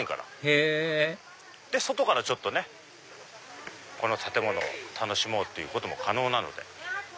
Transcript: へぇ外からちょっとねこの建物を楽しもうってことも可能なので。